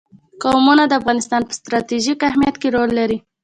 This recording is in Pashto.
قومونه د افغانستان په ستراتیژیک اهمیت کې رول لري.